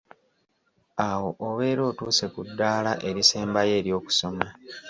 Awo obeera otuuse ku ddaala erisembayo ery’okusoma